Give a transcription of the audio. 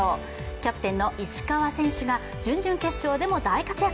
キャプテンの石川選手が準々決勝でも大活躍。